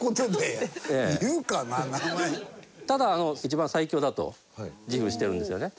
ただ一番最強だと自負してるんですよね。